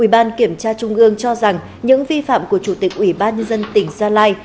ủy ban kiểm tra trung ương cho rằng những vi phạm của chủ tịch ủy ban nhân dân tỉnh gia lai